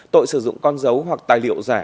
tội sử dụng con dấu hoặc tài liệu giả